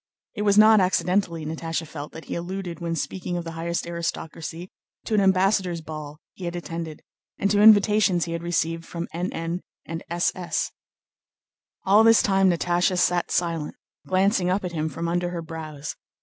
It was not accidentally, Natásha felt, that he alluded, when speaking of the highest aristocracy, to an ambassador's ball he had attended, and to invitations he had received from N.N. and S.S. All this time Natásha sat silent, glancing up at him from under her brows.